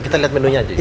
kita lihat menunya aja